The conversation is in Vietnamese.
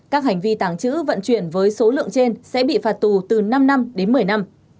các hành vi tàng trữ vận chuyển với số lượng trên sẽ bị phạt tù từ năm năm đến một mươi năm